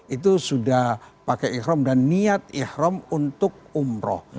itu sudah pakai ikhram dan niat ikhram untuk umroh